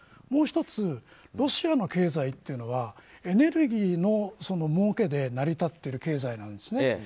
もう１つロシアの経済というのはエネルギーのもうけで成り立っている経済なんですね。